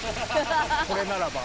これならば。